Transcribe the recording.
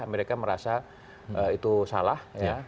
amerika merasa itu salah